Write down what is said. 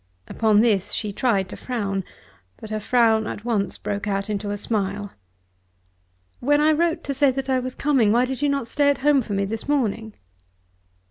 Upon this she tried to frown; but her frown at once broke out into a smile. "When I wrote to say that I was coming why did you not stay at home for me this morning?"